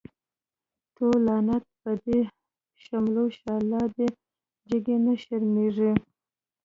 تو لعنت په دی شملو شه، لادی جگی نه شرمیږی